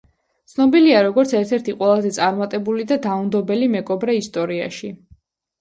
ცნობილია როგორც ერთ-ერთი ყველაზე წარმატებული და დაუნდობელი მეკობრე ისტორიაში.